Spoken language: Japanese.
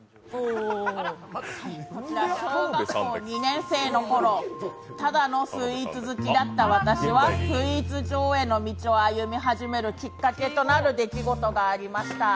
昔、小学校２年生の頃、ただのスイーツ好きだった私はスイーツ女王への道を歩み始めるきっかけがありました。